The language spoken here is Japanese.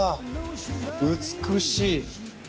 美しい。